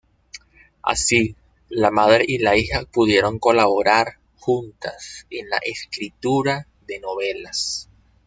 Así, la madre y la hija pudieron colaborar juntas en la escritura de novelas.